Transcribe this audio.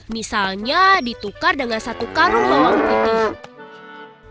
misalnya ditukar dengan satu karung bawang putih